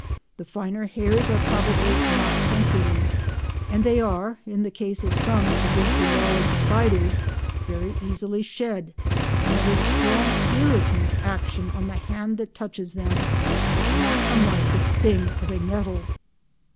The finer hairs are probably not sensory, and they are, in the case of some Avicularid spiders very easily shed, and have a strongly irritant action on the hand that touches them, not unlike the sting of a nettle.